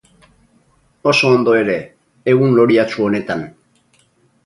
Oso ondo ere, egun loriatsu honetan!